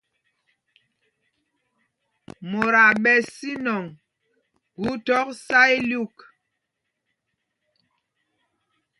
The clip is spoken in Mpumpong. Mot aa ɓɛ sínɔŋ gu thɔk sá ilyûk.